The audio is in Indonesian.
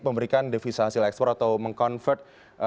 memberikan devisa hasil ekspor atau meng convert